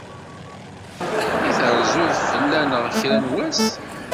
I terzuḍ-d fell-aneɣ kra n wass?